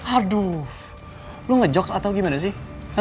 aduh lo ngejokes atau gimana sih